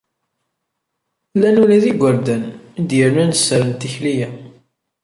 Llan ula d igerdan, i d-yernan sser n tikli-a.